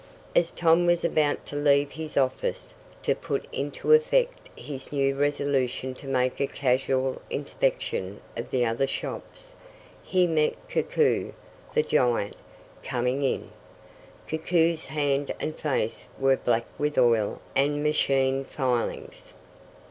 As Tom was about to leave his office, to put into effect his new resolution to make a casual inspection of the other shops, he met Koku, the giant, coming in. Koku's hands and face were black with oil and machine filings.